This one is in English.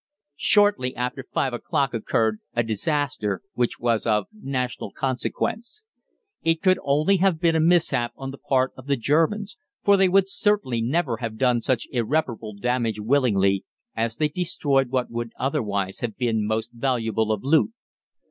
Shortly after five o'clock occurred a disaster which was of national consequence. It could only have been a mishap on the part of the Germans, for they would certainly never have done such irreparable damage willingly, as they destroyed what would otherwise have been most valuable of loot.